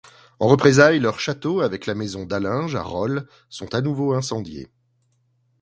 En représailles, leurs châteaux, avec la maison d'Allinges à Rolle, sont à nouveau incendiés.